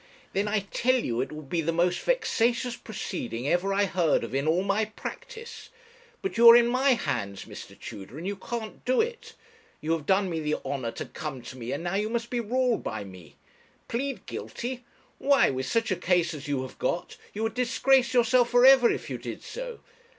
'Then I tell you it would be the most vexatious proceeding ever I heard of in all my practice. But you are in my hands, Mr. Tudor, and you can't do it. You have done me the honour to come to me, and now you must be ruled by me. Plead guilty! Why, with such a case as you have got, you would disgrace yourself for ever if you did so.